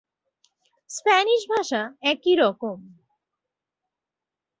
Spanish ভাষা একই রকম।